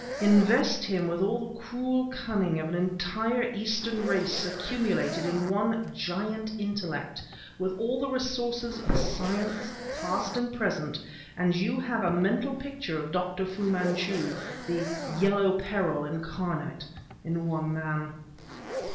Invest him with all the cruel cunning of an entire Eastern race accumulated in one giant intellect, with all the resources of science, past and present, and you have a mental picture of Dr. Fu Manchu, the 'Yellow Peril' incarnate in one man."